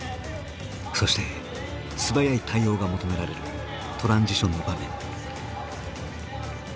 そして素早い対応が求められるトランジションの場面。